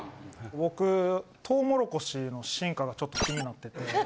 僕トウモロコシの進化がちょっと気になってて。